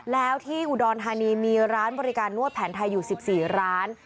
แล้วที่อุดรธานีมีร้านบริการนวดแผนไทยอยู่๑๔ร้าน